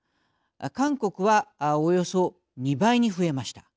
韓国はおよそ２倍に増えました。